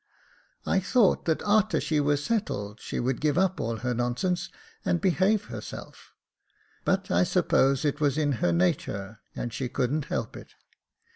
I thought that a'ter she were settled she would give up all her nonsense, and behave herself — but I suppose it was in her natur and she couldn't help it.